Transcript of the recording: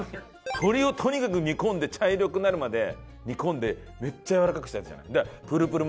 鶏をとにかく煮込んで茶色くなるまで煮込んでめっちゃやわらかくしたやつじゃない？